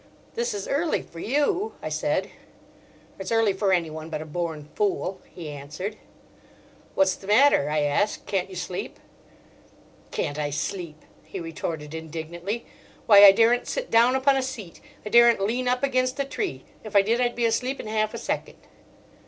"This is early for you," I said. "It's early for anyone but a born fool," he answered. "What's the matter?" I asked. "Can't you sleep?" "Can't I sleep?" he retorted indignantly. "Why, I daren't sit down upon a seat, I daren't lean up against a tree. If I did I'd be asleep in half a second."